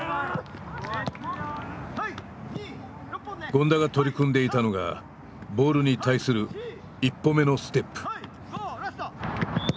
権田が取り組んでいたのがボールに対する一歩目のステップ。